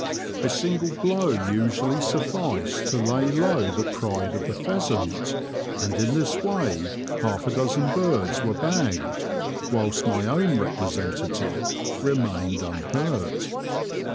A single blow usually sufficed to lay low the pride of the pheasant, and in this way half a dozen birds were bagged, whilst my own representative remained unhurt.